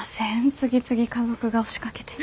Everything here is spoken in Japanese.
次々家族が押しかけて。